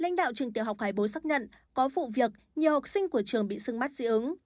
lãnh đạo trường tiểu học hải bố xác nhận có vụ việc nhiều học sinh của trường bị sưng mắt dị ứng